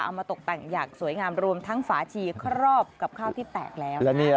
มาตกแต่งอย่างสวยงามรวมทั้งฝาชีครอบกับข้าวที่แตกแล้ว